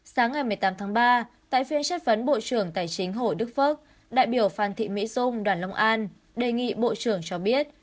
sáng ngày một mươi tám tháng ba tại phiên chất vấn bộ trưởng tài chính hồ đức phước đại biểu phan thị mỹ dung đoàn long an đề nghị bộ trưởng cho biết